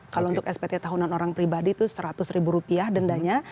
kalau untuk spt tahunan orang pribadi itu seratus ribu rupiah dendanya